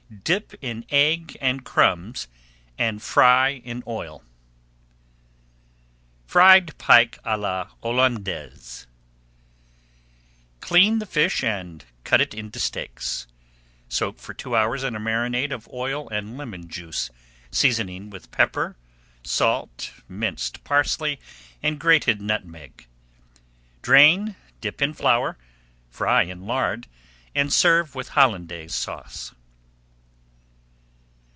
Dip in egg and crumbs and fry in oil. FRIED PIKE À LA HOLLANDAISE Clean the fish and cut it into steaks. Soak for two hours in a marinade of oil and lemon juice, seasoning with pepper, salt, minced [Page 246] parsley, and grated nutmeg. Drain, dip in flour, fry in lard, and serve with Hollandaise Sauce.